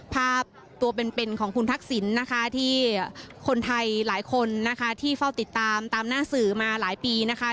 ภาพตัวเป็นของคุณทักษิณนะคะที่คนไทยหลายคนนะคะที่เฝ้าติดตามตามหน้าสื่อมาหลายปีนะคะ